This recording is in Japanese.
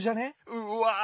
うわ。